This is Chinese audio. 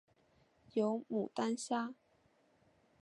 有牡丹虾